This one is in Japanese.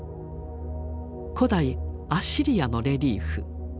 古代アッシリアのレリーフ。